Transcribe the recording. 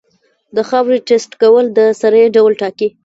د خاورې ټیسټ کول د سرې ډول ټاکي.